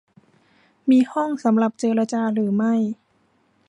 มีห้องสำหรับเจรจาหรือไม่